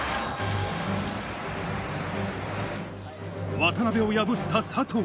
渡辺を破った佐藤。